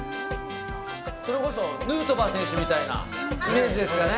それこそヌートバー選手みたいなイメージですかね。